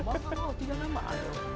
berat amat atau tidak amat